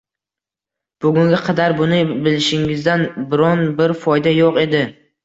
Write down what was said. — Bugunga qadar buni bilishingizdan biron-bir foyda yo'q edi.